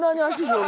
はい。